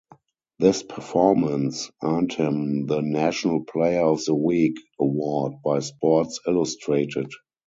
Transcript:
This performance earned him the "National Player of the Week" award by "Sports Illustrated".